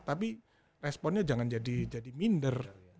tapi responnya jangan jadi minder